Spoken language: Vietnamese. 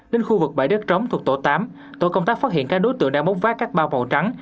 đến khu vực bãi đất trống thuộc tổ tám tổ công tác phát hiện các đối tượng đang bốc vác các bao màu trắng